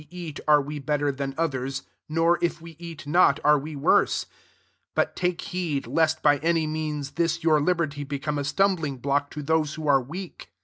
eat, are we better than ot nor, if we eat not, are we w\ 9 ftut take heed, lest by means this your liberty a stumbling block to those are weak.